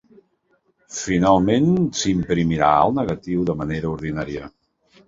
Finalment, s'imprimirà el negatiu de manera ordinària.